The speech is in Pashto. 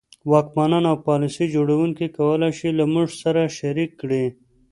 واکمنان او پالیسي جوړوونکي کولای شي له موږ سره شریک کړي.